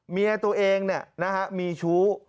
เมียตัวเองเนี่ยนะฮะมีชู้